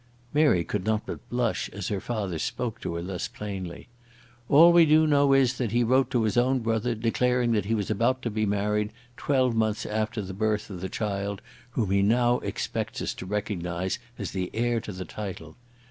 Mary could not but blush as her father spoke to her thus plainly. "All we do know is that he wrote to his own brother declaring that he was about to be married twelve months after the birth of the child whom he now expects us to recognise as the heir to the title.